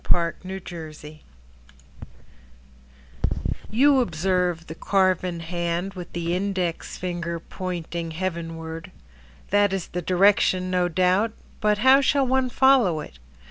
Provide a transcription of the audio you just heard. Marie Bateson You observe the carven hand With the index finger pointing heavenward. That is the direction, no doubt. But how shall one follow it?